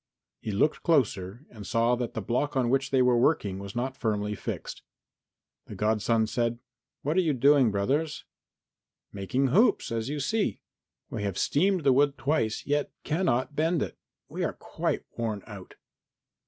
He looked closer and saw that the block on which they were working was not firmly fixed. And the godson said, "What are you doing, brothers?" "Making hoops, as you see. We have steamed the wood twice, yet cannot bend it. We are quite worn out."